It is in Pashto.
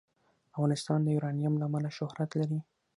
افغانستان د یورانیم له امله شهرت لري.